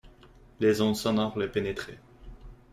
Les ondes sonores le pénétraient.